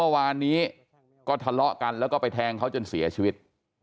เมื่อวานนี้ก็ทะเลาะกันแล้วก็ไปแทงเขาจนเสียชีวิต